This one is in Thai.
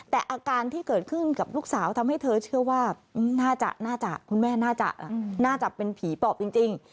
แต่อาการที่เกิดขึ้นกับลูกสาวทำให้เธอเชื่อว่าน่าจะคุณแม่น่าจะน่าจะเป็นผีปอบจริง